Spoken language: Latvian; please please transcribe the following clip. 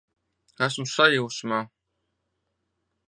Esmu sajūsmā!